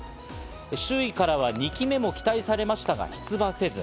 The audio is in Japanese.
周囲からは２期目も期待されましたが出馬せず。